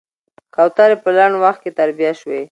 کوترې په لنډ وخت کې تربيه شوې.